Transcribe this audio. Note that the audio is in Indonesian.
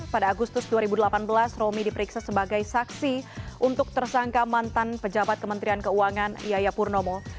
pada agustus dua ribu delapan belas romi diperiksa sebagai saksi untuk tersangka mantan pejabat kementerian keuangan yaya purnomo